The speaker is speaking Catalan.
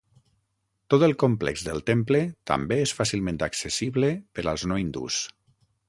Tot el complex del temple també és fàcilment accessible per als no hindús.